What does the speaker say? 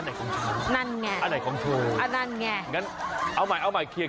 อันไหนของฉันอันไหนของคุณงั้นเอาใหม่เอาใหม่เคลียร์